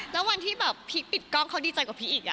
แล้ววันที่แบบพีคปิดกล้องเขาดีใจกว่าพีคอีก